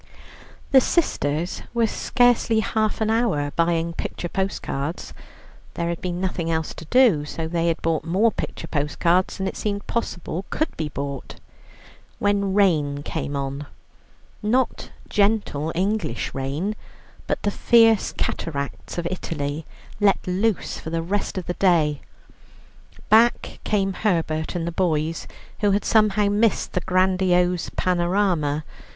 The sisters were scarcely half an hour buying picture postcards (there had been nothing else to do, so they had bought more picture postcards than it seemed possible could be bought), when rain came on not gentle English rain, but the fierce cataracts of Italy, let loose for the rest of the day. Back came Herbert and the boys, who had somehow missed the grandiose panorama.